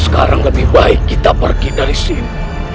sekarang lebih baik kita pergi dari sini